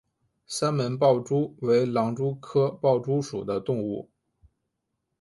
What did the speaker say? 三门豹蛛为狼蛛科豹蛛属的动物。